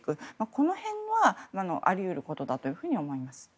この辺は、あり得ることだと思います。